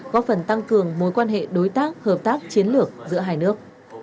góp phần tăng cường mối quan hệ đối tác hợp tác chiến lược giữa hai nước